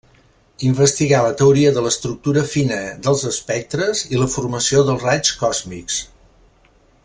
Investigà la teoria de l'estructura fina dels espectres i la formació dels raigs còsmics.